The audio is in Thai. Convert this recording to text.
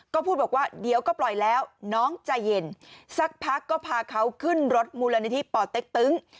ก็พูดบอกว่าเดี๋ยวก็ปล่อยแล้วน้องใจเย็นสักพักก็พาเขาขึ้นรถมูลนิธิป่อเต็กตึ้ง